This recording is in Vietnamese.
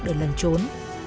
để lẩn trốn